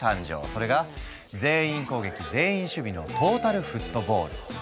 それが全員攻撃全員守備のトータルフットボール！